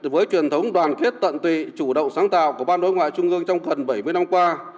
với truyền thống đoàn kết tận tụy chủ động sáng tạo của ban đối ngoại trung ương trong gần bảy mươi năm qua